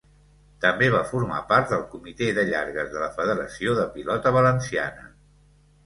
També va formar part del Comité de Llargues de la Federació de Pilota Valenciana.